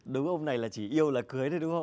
đúng ông này là chỉ yêu là cưới đây đúng không